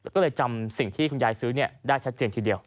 ก็เลยจำสิ่งที่คุณยายซื้อได้ชัดเจนทีเดียว